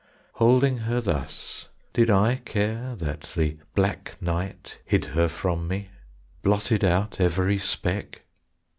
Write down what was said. Holding her thus, did I care That the black night hid her from me, blotted out every speck?